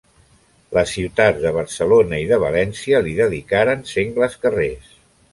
Les ciutats de Barcelona i de València li dedicaren sengles carrers.